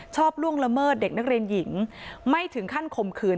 ล่วงละเมิดเด็กนักเรียนหญิงไม่ถึงขั้นข่มขืน